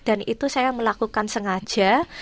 dan itu saya melakukan sengaja